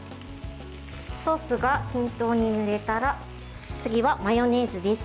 ソースが均等に塗れたら次はマヨネーズです。